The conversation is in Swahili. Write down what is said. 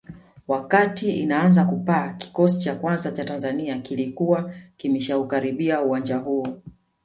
Wakati inaanza kupaa kikosi cha kwanza cha Tanzania kilikuwa kimeshaukaribia uwanja huo